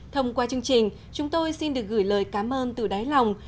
thông qua chương trình chúng tôi xin được gửi lời cảm ơn từ đáy lòng